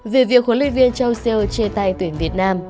vì việc huấn luyện viên châu siêu chê tay tuyển việt nam